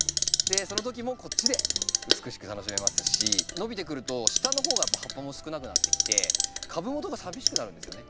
その時もこっちで美しく楽しめますし伸びてくると下の方が葉っぱも少なくなってきて株元が寂しくなるんですよね。